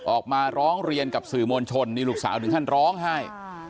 ออกมาร้องเรียนกับสื่อมวลชนนี่ลูกสาวถึงขั้นร้องไห้